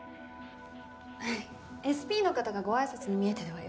ＳＰの方がご挨拶に見えてるわよ。